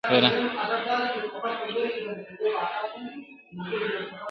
دوی شریک دي د مستیو د خوښۍ پهلوانان دي !.